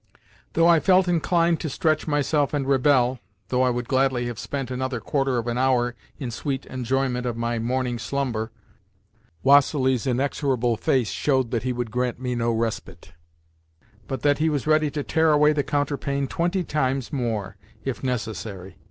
Though I felt inclined to stretch myself and rebel—though I would gladly have spent another quarter of an hour in sweet enjoyment of my morning slumber—Vassili's inexorable face showed that he would grant me no respite, but that he was ready to tear away the counterpane twenty times more if necessary.